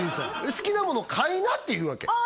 好きなものを買いなって言うわけああ